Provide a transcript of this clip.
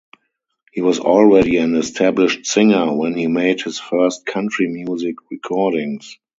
He was already an established singer when he made his first country music recordings.